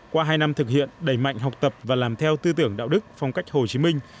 qua hai năm thực hiện đầy mạnh học tập và làm theo tư tưởng đạo đức phong cách hồ chí minh